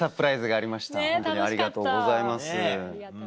ありがとうございます。